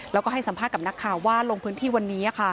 แล้วก็ให้สัมภาษณ์กับนักข่าวว่าลงพื้นที่วันนี้